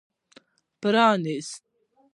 پرانېست.